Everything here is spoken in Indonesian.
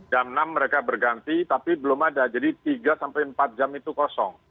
jam enam mereka berganti tapi belum ada jadi tiga sampai empat jam itu kosong